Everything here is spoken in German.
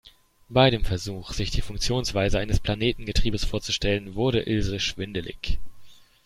Bei dem Versuch, sich die Funktionsweise eines Planetengetriebes vorzustellen, wurde Ilse schwindelig.